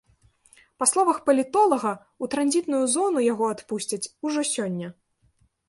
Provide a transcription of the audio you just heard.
Па словах палітолага, у транзітную зону яго адпусцяць ужо сёння.